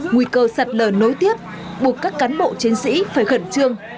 nguy cơ sạt lở nối tiếp buộc các cán bộ chiến sĩ phải khẩn trương